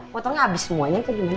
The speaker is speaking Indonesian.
potongnya habis semuanya keju